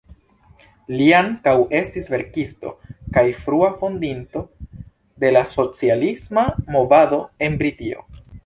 Li ankaŭ estis verkisto kaj frua fondinto de la socialisma movado en Britio.